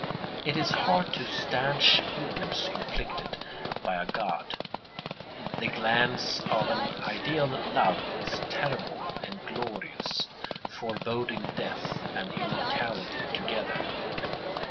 It is hard to stanch wounds inflicted by a god. The glance of an ideal love is terrible and glorious, foreboding death and immortality together.